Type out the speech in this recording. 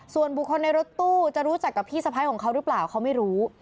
ส่วนบุคคลในรถตู้จะรู้จักกับพี่สะพ้ายของเขาหรือเปล่าเขาไม่รู้